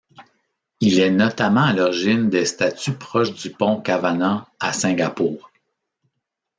Il est notamment à l'origine des statues proches du Pont Cavanagh à Singapour.